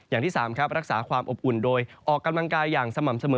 อย่างที่๓ครับรักษาความอบอุ่นโดยออกกำลังกายอย่างสม่ำเสมอ